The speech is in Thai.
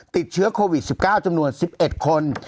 ติดเชื้อโควิด๑๙จำนวน๑๑คน